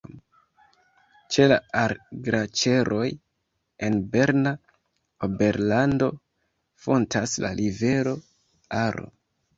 Ĉe la Ar-Glaĉeroj en Berna Oberlando fontas la rivero Aro.